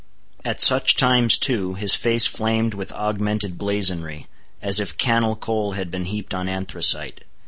At such times, too, his face flamed with augmented blazonry, as if cannel coal had been heaped on anthracite.